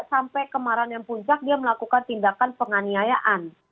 sampai kemarin yang puncak dia melakukan tindakan penganiayaan